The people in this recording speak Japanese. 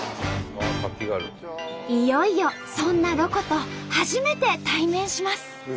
いよいよそんなロコと初めて対面します。